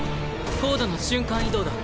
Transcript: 高度な瞬間移動だ。